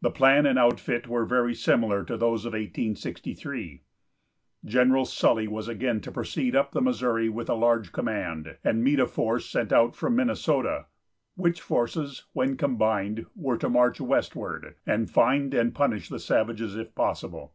The plan and outfit were very similar to those of 1863. General Sully was again to proceed up the Missouri with a large command, and meet a force sent out from Minnesota, which forces when combined were to march westward, and find and punish the savages if possible.